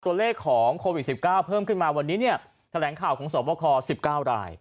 ตัวเลขของโควิด๑๙เพิ่มขึ้นมาวันนี้เนี่ยแถลงข่าวของสวบค๑๙ราย